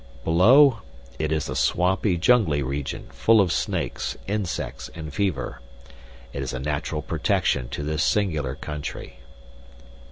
Below, it is a swampy, jungly region, full of snakes, insects, and fever. It is a natural protection to this singular country."